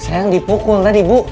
sayang dipukul tadi bu